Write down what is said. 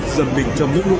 dần mình trong nước lũ